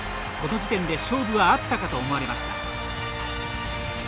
この時点で勝負はあったかと思われました。